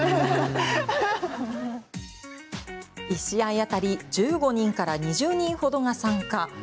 １試合当たり１５人から２０人ほどが参加。